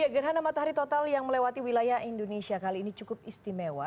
gerhana matahari total yang melewati wilayah indonesia kali ini cukup istimewa